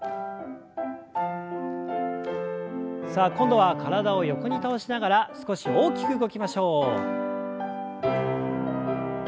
さあ今度は体を横に倒しながら少し大きく動きましょう。